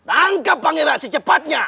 angkat pangeran si cepatnya